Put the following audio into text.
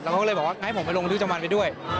แล้วเขาเลยบอกว่าอย่างไรให้ผมไปลงที่จังหวันไปด้วย